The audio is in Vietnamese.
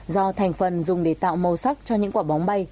do thành phần dùng để tạo màu sắc cho những quả bóng bay